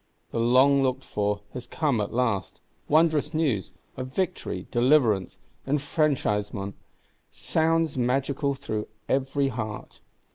The long looked for has come at last; wondrous news, of Victory, Deliverance, Enfranchisement, sounds magical through every heart.